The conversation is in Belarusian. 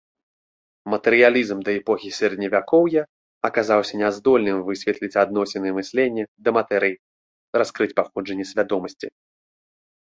Матэрыялізм да эпохі сярэдневякоўя аказаўся няздольным высветліць адносіны мыслення да матэрыі, раскрыць паходжанне свядомасці.